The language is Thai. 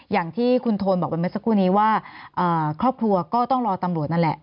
อย่างที่คุณโทนบอกไปเมื่อสักครู่นี้ว่าครอบครัวก็ต้องรอตำรวจนั่นแหละ